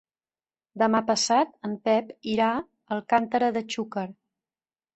Demà passat en Pep irà a Alcàntera de Xúquer.